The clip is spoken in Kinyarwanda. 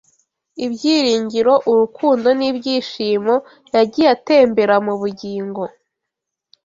ibyiringiro, urukundo n’ibyishimo yagiye atembera mu bugingo